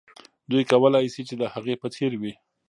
دوی کولای سي چې د هغې په څېر وي.